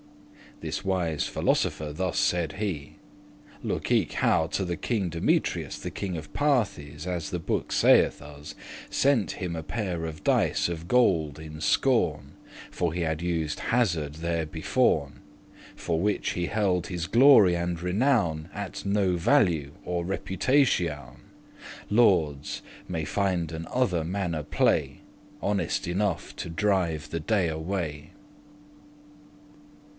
This wise philosopher thus said he. Look eke how to the King Demetrius The King of Parthes, as the book saith us, Sent him a pair of dice of gold in scorn, For he had used hazard therebeforn: For which he held his glory and renown At no value or reputatioun. Lordes may finden other manner play Honest enough to drive the day away.